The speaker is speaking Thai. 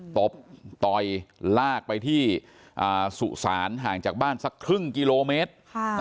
ตบต่อยลากไปที่สุสานห่างจากบ้านสักครึ่งกิโลเมตร